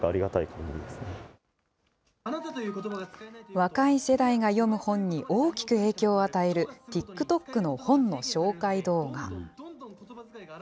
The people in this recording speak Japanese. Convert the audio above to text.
若い世代が読む本に大きく影響を与える、ＴｉｋＴｏｋの本の紹介動画。